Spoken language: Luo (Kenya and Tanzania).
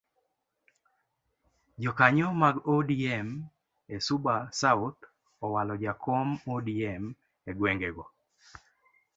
Jokanyo mag odm e suba south owalo jakom odm egwengego.